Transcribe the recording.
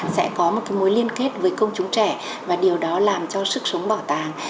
sẽ có một mối liên kết với công chúng trẻ và điều đó làm cho sức sống bảo tàng